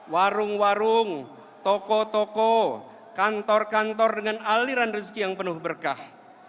warung warung toko toko kantor kantor dengan aliran rezeki yang penuh berkah